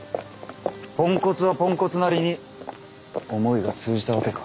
ポンコツはポンコツなりに思いが通じたわけか。